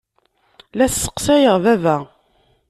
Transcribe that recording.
La sseqsayeɣ baba.